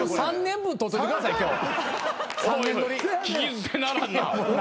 聞き捨てならんな。